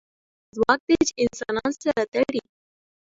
باور هغه ځواک دی، چې انسانان سره تړي.